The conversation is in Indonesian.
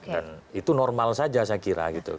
dan itu normal saja saya kira gitu